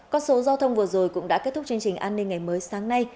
con số giao thông vừa rồi cũng đã kết thúc chương trình an ninh ngày mới sáng nay